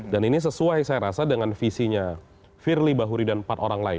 ini sesuai saya rasa dengan visinya firly bahuri dan empat orang lain